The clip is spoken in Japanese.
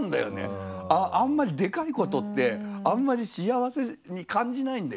あんまりでかいことってあんまり幸せに感じないんだよ。